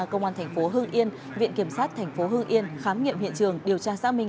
công an tp hưng yên viện kiểm sát tp hưng yên khám nghiệm hiện trường điều tra xác minh